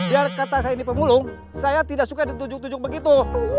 jadi pemulung saya tidak suka ditunjuk tunjuk begitu